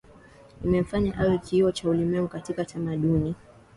Imemfanya awe kioo cha ulimwengu katika tamaduni